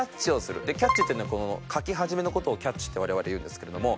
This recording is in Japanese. キャッチっていうのはかき始めの事をキャッチって我々言うんですけれども。